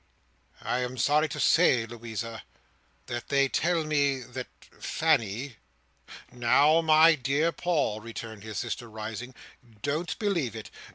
"I am sorry to say, Louisa, that they tell me that Fanny—" "Now, my dear Paul," returned his sister rising, "don't believe it.